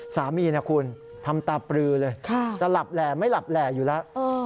สามีนะคุณทำตาปลือเลยจะหลับแหล่ไม่หลับแหล่อยู่แล้ว